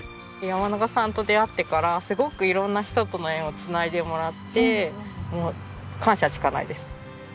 山永さんと出会ってからすごくいろんな人との縁をつないでもらってもう感謝しかないです。